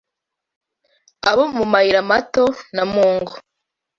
abo mu mayira mato no mungo